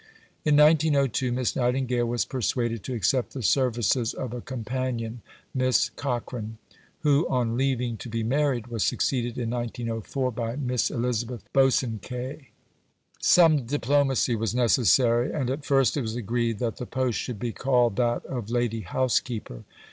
In 1902 Miss Nightingale was persuaded to accept the services of a companion, Miss Cochrane; who, on leaving to be married, was succeeded in 1904 by Miss Elizabeth Bosanquet. Some diplomacy was necessary, and at first it was agreed that the post should be called that of "lady housekeeper."